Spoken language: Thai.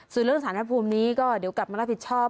ส่วนเรื่องสารภูมินี้ก็เดี๋ยวกลับมารับผิดชอบ